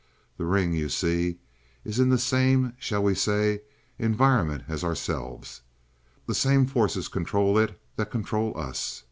That ring, you see, is in the same shall we say environment as ourselves. The same forces control it that control us.